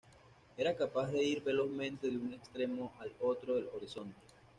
Era capaz de ir velozmente de un extremo al otro del horizonte.